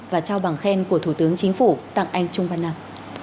và trao bằng khen của thủ tướng chính phủ tặng anh trung văn nam